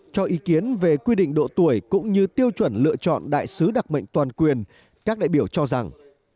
cho ý kiến về quy định độ tuổi cũng như tiêu chuẩn lựa chọn đại sứ đặc mệnh toàn quyền các đại biểu cho rằng